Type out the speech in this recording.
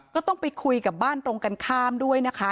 ก็ต้องไปคุยกับบ้านตรงกันข้ามด้วยนะคะ